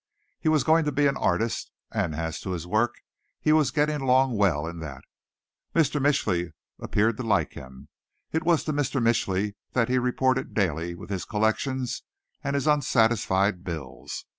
He was going to be an artist; and as to his work, he was getting along well in that. Mr. Mitchly appeared to like him. It was to Mr. Mitchly that he reported daily with his collections and his unsatisfied bills.